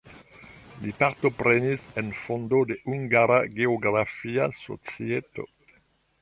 Li partoprenis en fondo de "Hungara Geografia Societo".